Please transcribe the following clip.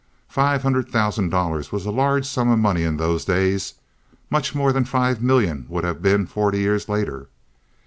Five hundred thousand dollars was a large sum of money in those days, much more than five million would have been forty years later.